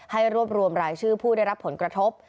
ให้รวบรวมรายชื่อผู้ได้รับผลกระทบ